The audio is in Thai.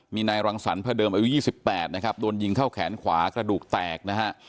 มีนายรังสรรพระเดิมอายุ๒๘นะครับโดนยิงเข้าแขนขวากระดูกแตกนะฮะ